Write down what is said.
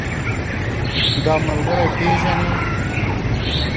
دا ملګری پيژنې؟